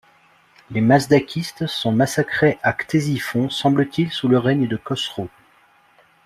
Les mazdakistes sont massacrés à Ctésiphon semble-t-il sous le règne de Khosro.